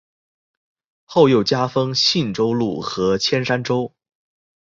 后又加封信州路和铅山州。